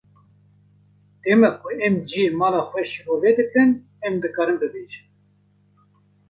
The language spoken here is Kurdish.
Dema ku em cihê mala xwe şîrove dikin, em dikarin bibêjin.